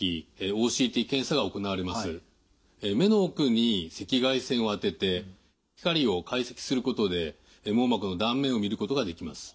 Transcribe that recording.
目の奥に赤外線を当てて光を解析することで網膜の断面をみることができます。